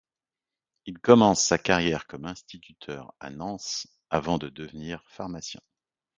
Il commence sa carrière comme instituteur à Nans avant de devenir pharmacien.